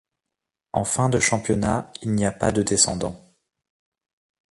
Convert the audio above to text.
En fin de championnat, il n'y a pas de descendants.